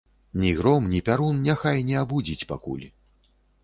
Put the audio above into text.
Ні гром, ні пярун няхай не абудзіць пакуль.